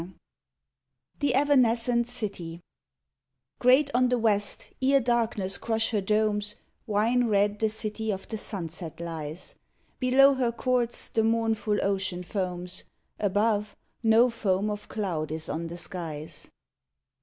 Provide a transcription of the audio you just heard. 10; THE EVANESCENT CITY Great on the west, ere darkness crush her domes, Wine red the city of the sunset lies. Below her courts the mournful ocean foams ; Above, no foam of cloud is on the skies.